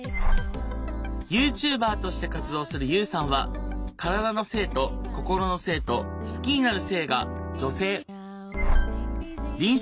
ＹｏｕＴｕｂｅｒとして活動するＵさんは体の性と心の性と好きになる性が女性。